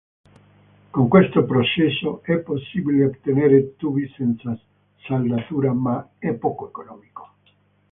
Con questo processo è possibile ottenere tubi senza saldatura, ma è poco economico.